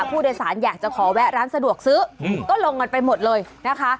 ผู้โดยสารอยากจะขอแวะร้านสะดวกซื้อก็ลงกันไปหมดเลยนะคะ